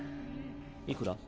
いくら？